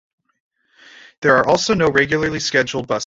There are also no regularly scheduled buses.